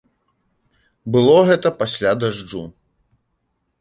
Было гэта пасля дажджу.